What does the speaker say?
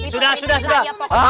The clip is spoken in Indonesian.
sudah sudah sudah